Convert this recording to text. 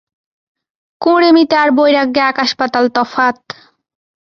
কুঁড়েমিতে আর বৈরাগ্যে আকাশ-পাতাল তফাত।